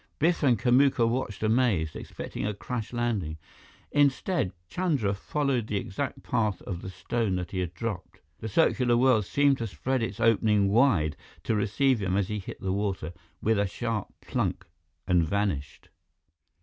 Biff and Kamuka watched amazed, expecting a crash landing. Instead, Chandra followed the exact path of the stone that he had dropped. The circular well seemed to spread its opening wide to receive him as he hit the water with a sharp plunk and vanished.